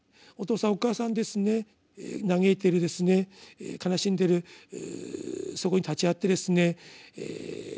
お父さんお母さんですね嘆いてる悲しんでるそこに立ち会ってですね